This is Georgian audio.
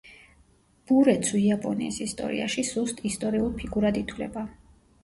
ბურეცუ იაპონიის ისტორიაში სუსტ ისტორიულ ფიგურად ითვლება.